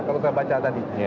kalau saya baca tadi